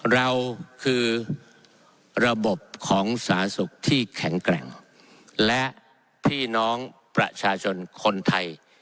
เราคือระบบของสาธารณสุขที่แข็งแกร่งและพี่น้องประชาชนคนไทย